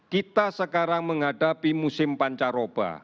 kita sekarang menghadapi musim pancaroba